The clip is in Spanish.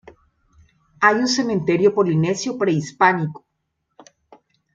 Hay un cementerio polinesio prehispánico.